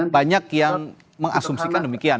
banyak yang mengasumsikan demikian